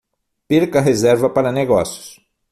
Perca a reserva para negócios